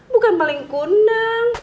bukan mba surti